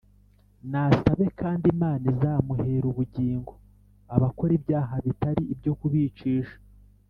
nasabe, kandi Imana izamuhera ubugingo abakora ibyaha bitari ibyo kubicisha.